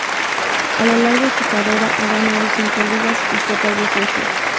A lo largo de su carrera ha ganado cinco ligas y copas de Suecia.